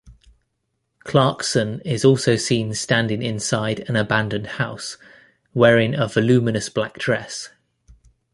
Clarkson is also seen standing inside an abandoned house, wearing a voluminous black dress.